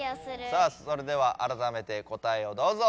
さあそれではあらためて答えをどうぞ。